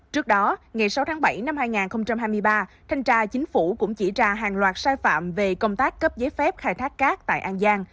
trước đó ngày sáu tháng bảy năm hai nghìn hai mươi ba thanh tra chính phủ cũng chỉ ra hàng loạt sai phạm về công tác cấp giấy phép khai thác cát tại an giang